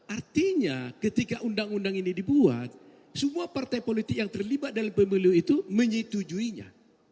artinya ketika undang undang ini dibuat semua partai politik yang terlibat dalam pemilu itu menyetujuinya